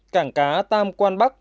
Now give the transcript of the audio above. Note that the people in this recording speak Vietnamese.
cảng cá tam quan bắc